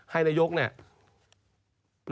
ให้นายกล์